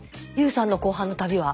ＹＯＵさんの後半の旅は？